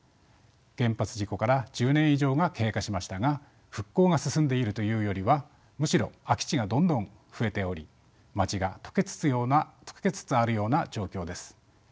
原発事故から１０年以上が経過しましたが復興が進んでいるというよりはむしろ空き地がどんどん増えており町が溶けつつあるような状況です。